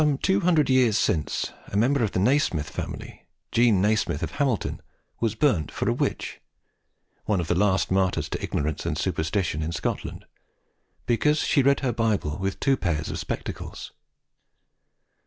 Some two hundred years since, a member of the Nasmyth family, Jean Nasmyth of Hamilton, was burnt for a witch one of the last martyrs to ignorance and superstition in Scotland because she read her Bible with two pairs of spectacles.